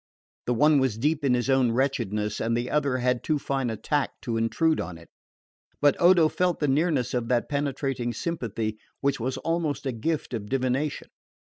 The one was deep in his own wretchedness, and the other had too fine a tact to intrude on it; but Odo felt the nearness of that penetrating sympathy which was almost a gift of divination.